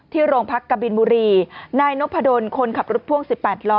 ที่โรงพักกับบิญมูรีนายโนปโดนคนขับรถพ่วง๑๘ล้อ